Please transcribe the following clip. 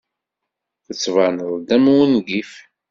Tettbaneḍ-d am wungif.